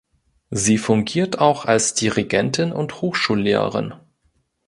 Sie fungiert auch als Dirigentin und Hochschullehrerin.